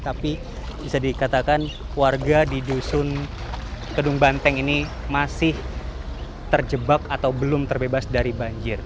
tapi bisa dikatakan warga di dusun kedung banteng ini masih terjebak atau belum terbebas dari banjir